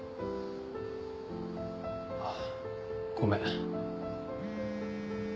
あごめん。